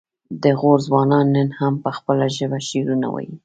د غور ځوانان نن هم په خپله ژبه شعرونه وايي